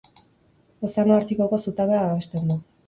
Ozeano Artikoko zutabea babesten du.